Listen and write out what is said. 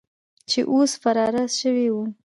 چې اوس فراره سوي وو.